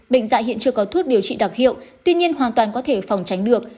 bệnh dại hiện chưa có thuốc điều trị đặc hiệu tuy nhiên hoàn toàn có thể phòng tránh được